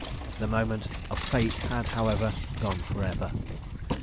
The moment of Fate had, however, gone by for ever.